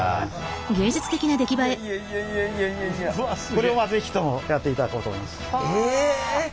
これは是非ともやっていただこうと思います。